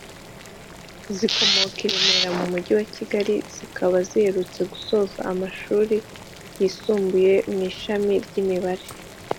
zikomoka i Remera mu Mujyi wa Kigali zikaba ziherutse gusoza amashuri yisumbuye mu ishami ry’imibare